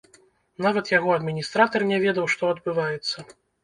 Нават яго адміністратар не ведаў, што адбываецца!